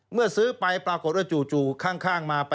เมื่อซื้อไปปรากฏว่าจู่ข้างมา